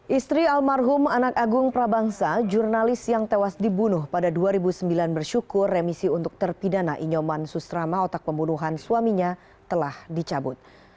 istri almarhum anak agung prabangsa jurnalis yang tewas dibunuh pada dua ribu sembilan bersyukur remisi untuk terpidana inyoman susrama otak pembunuhan suaminya telah dicabut